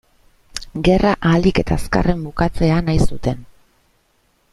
Gerra ahalik eta azkarren bukatzea nahi zuten.